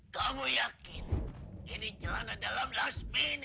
kamu yakin ini jalanan dalam lasmini